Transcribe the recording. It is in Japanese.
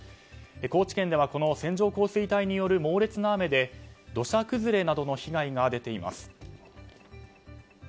高知県ではこの線状降水帯による猛烈な雨で土砂崩れなどの被害が出ています。